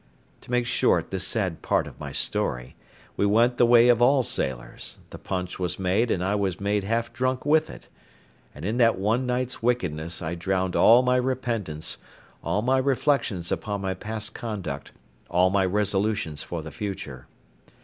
To make short this sad part of my story, we went the way of all sailors; the punch was made and I was made half drunk with it: and in that one night's wickedness I drowned all my repentance, all my reflections upon my past conduct, all my resolutions for the future.